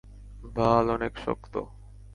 বাল অনেক শক্ত।